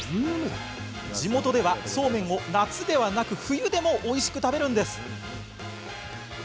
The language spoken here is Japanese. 地元では、そうめんを夏ではなく冬でもおいしく食べるんです。